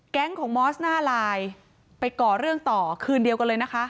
ของมอสหน้าไลน์ไปก่อเรื่องต่อคืนเดียวกันเลยนะคะ